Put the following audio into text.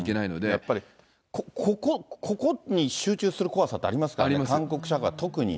やっぱり、ここに集中する怖さってありますからね、韓国社会は特に。